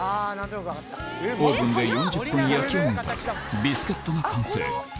オーブンで４０分焼き上げたら、ビスケットが完成。